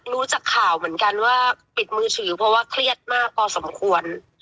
รู้จากข่าวเหมือนกันว่าปิดมือถือเพราะว่าเครียดมากพอสมควร